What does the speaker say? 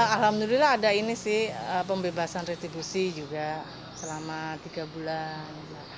alhamdulillah ada ini sih pembebasan retribusi juga selama tiga bulan